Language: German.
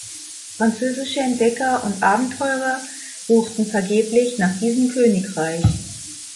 Französische Entdecker und Abenteurer suchten vergeblich nach diesem Königreich.